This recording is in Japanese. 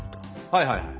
はいはいはい。